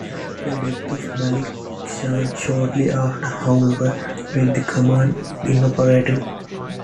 The death of Malik Shah shortly after, however, made the command inoperative.